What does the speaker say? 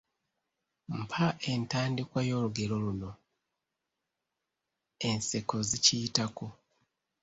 Mpa entandikwa y’olugero luno: …..…,enseko zikiyitako.